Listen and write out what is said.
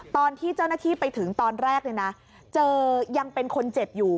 ตอนที่เจ้าหน้าที่ไปถึงตอนแรกเจอยังเป็นคนเจ็บอยู่